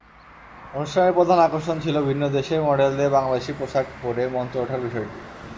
অনুষ্ঠানের প্রধান আকর্ষণ ছিল ভিন্ন দেশের মডেলদের বাংলাদেশি পোশাক পরে মঞ্চে ওঠার বিষয়টি।